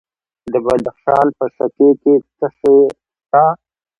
د بدخشان په شکی کې څه شی شته؟